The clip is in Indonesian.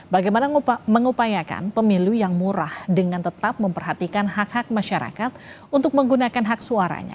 bagaimana mengupayakan pemilu yang murah dengan tetap memperhatikan hak hak masyarakat untuk menggunakan hak suaranya